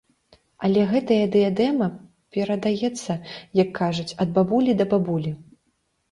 Але гэтая дыядэма перадаецца, як кажуць, ад бабулі да бабулі.